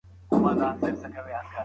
مسؤلیت باید له منځه ولاړ نه سي.